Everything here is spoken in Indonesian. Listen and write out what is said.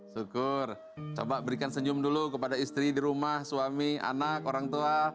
syukur coba berikan senyum dulu kepada istri di rumah suami anak orang tua